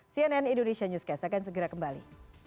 cnn indonesia newscast akan segera kembali